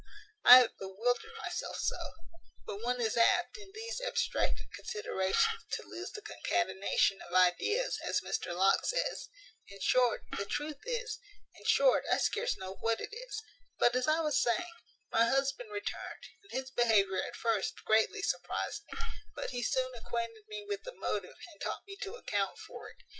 I have bewildered myself so but one is apt, in these abstracted considerations, to lose the concatenation of ideas, as Mr Locke says: in short, the truth is in short, I scarce know what it is; but, as I was saying, my husband returned, and his behaviour, at first, greatly surprized me; but he soon acquainted me with the motive, and taught me to account for it.